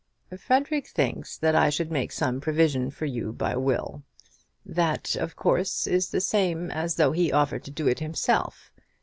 "Frederic thinks that I should make some provision for you by will. That, of course, is the same as though he offered to do it himself.